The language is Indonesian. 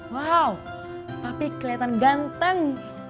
wow papi kelihatan ganteng